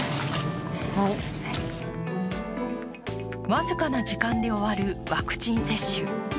僅かな時間で終わるワクチン接種。